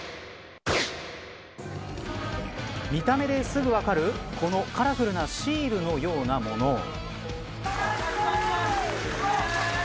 見た目ですぐ分かるこのカラフルなシールのようなもの。